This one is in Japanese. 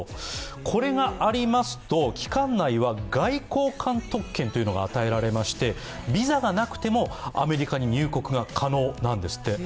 これがありますと、期間内は外交官特権というのが与えられましてビザがなくても、アメリカに入国が可能なんですって。